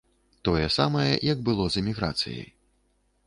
Тое самае, як было з эміграцыяй.